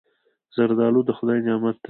زردالو د خدای نعمت دی.